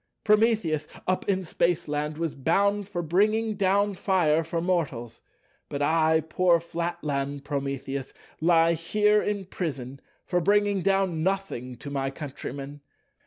Prometheus up in Spaceland was bound for bringing down fire for mortals, but I—poor Flatland Prometheus—lie here in prison for bringing down nothing to my countrymen.